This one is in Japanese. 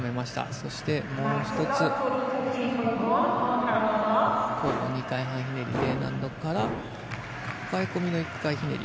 そして、もう１つ後方２回半ひねりから抱え込みの１回ひねり。